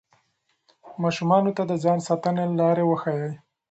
ماشومانو ته د ځان ساتنې لارې وښایئ.